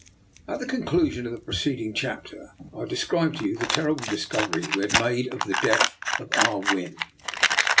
At the conclusion of the preceding chap ter, I described to you the terrible discovery we had made of the death of Ah Win.